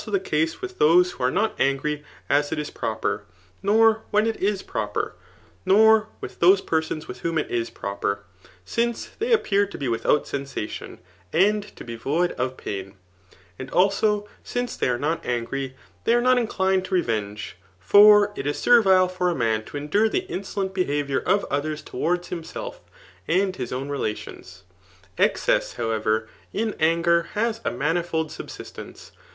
these wiha KiPe not wgrjf s$ Digitized by Google i&B THE NIOOMTACHEAN WQOK tV^ k is proper, nor when it is premier, nor with those persons with whom it is proper; since they appear to be wkfaour sensadon, and to be void of pain« And, also^ suu^ tbef are not angry, they are not inclined to revenge. For it is servile for a man to endure the in^lent behaviour of others towards himself, and his own relations. Excess^ however, in anger has a manifold subsistence.